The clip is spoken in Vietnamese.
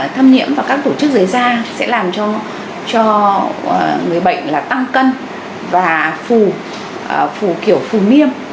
thâm nhiễm vào các tổ chức dưới da sẽ làm cho người bệnh tăng cân và phù kiểu phù niêm